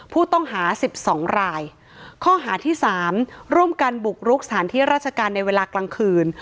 ผู้ต้องหาสิบสองรายข้อหาที่สามร่วมกันบุกรุกสถานที่ราชการในเวลากลางคืน